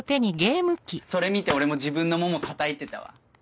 それ見て俺も自分の腿たたいてたわ。